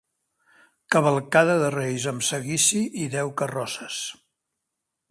Cavalcada de Reis amb seguici i deu carrosses.